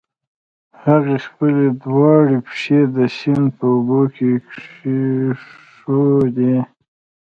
هغې خپلې دواړه پښې د سيند په اوبو کې کېښودې.